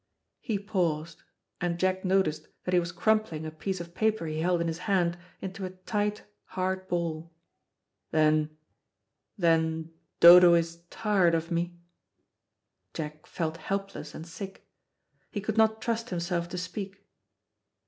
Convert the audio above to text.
He paused, and Jack noticed that he was crumpling a piece of paper he held in his hand into a tight hard ball. "Then then Dodo is tired of me?" Jack felt helpless and sick. He could not trust himself to speak.